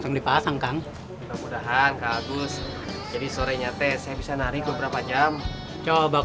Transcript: hingga hari kita bertemu lagi